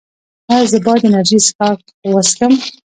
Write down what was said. ایا زه باید انرژي څښاک وڅښم؟